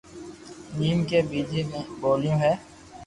جيم ڪي ٻيجي بي ٻوليو ھي